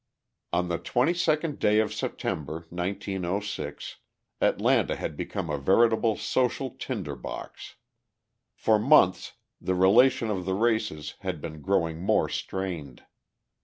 On the twenty second day of September, 1906, Atlanta had become a veritable social tinder box. For months the relation of the races had been growing more strained.